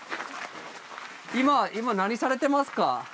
今今何されてますか？